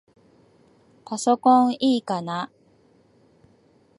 パソコンいいかな？